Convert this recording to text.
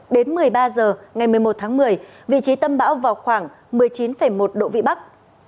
đến một mươi ba h ngày một mươi một tháng một mươi vị trí tâm bão vào khoảng một mươi chín một độ vị bắc